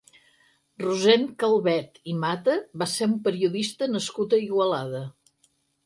Rossend Calvet i Mata va ser un periodista nascut a Igualada.